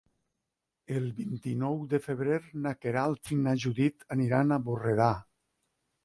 El vint-i-nou de febrer na Queralt i na Judit aniran a Borredà.